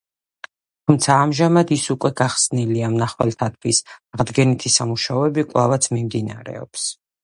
თუმცა ამჟამად ის უკვე გახსნილია მნახველთათვის, აღდგენითი სამუშაოები კვლავაც მიმდინარეობს.